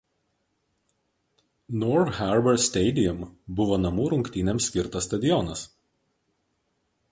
North Harbour Stadium buvo namų rungtynėms skirtas stadionas.